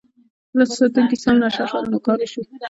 کله چې ساتونکي سم نشه شول نو کار وشو.